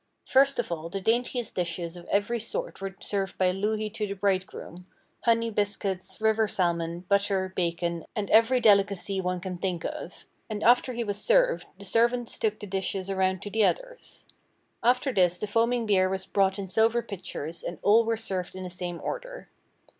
First of all the daintiest dishes of every sort were served by Louhi to the bridegroom honey biscuits, river salmon, butter, bacon, and every delicacy one can think of and after he was served, the servants took the dishes around to the others. After this the foaming beer was brought in silver pitchers, and all were served in the same order.